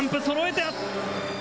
そろえた！